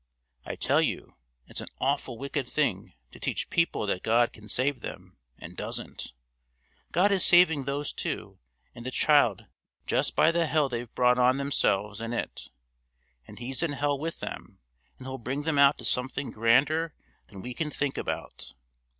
I tell you it's an awful wicked thing to teach people that God can save them and doesn't. God is saving those two and the child just by the hell they've brought on themselves and it; and He's in hell with them, and He'll bring them out to something grander than we can think about.